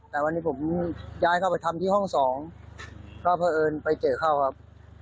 แต่วันนี้ผมย้ายเข้าไปทำที่ห้องสองก็เพราะเอิญไปเจอเข้าครับ